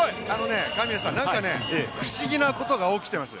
不思議なことが起きています。